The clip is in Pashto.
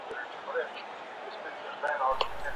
ولي محنتي ځوان د پوه سړي په پرتله هدف ترلاسه کوي؟